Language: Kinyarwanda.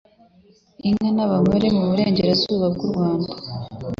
inka n'abagore mu burengerazuba bw'u Rwanda